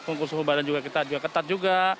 pengukur suhu badan juga kita ketat juga